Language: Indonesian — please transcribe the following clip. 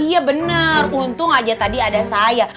iya benar untung aja tadi ada saya